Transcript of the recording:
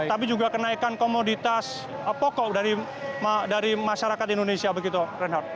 tapi juga kenaikan komoditas pokok dari masyarakat indonesia begitu reinhardt